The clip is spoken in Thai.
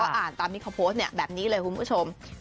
อ่านตามที่เขาโพสต์เนี่ยแบบนี้เลยคุณผู้ชม